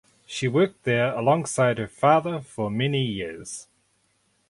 She worked there alongside her father for many years.